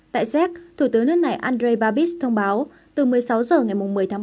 tại séc thủ tướng nước này andrei babis thông báo từ một mươi sáu h ngày một mươi tháng ba